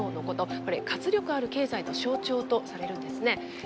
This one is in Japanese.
これ活力ある経済の象徴とされるんですね。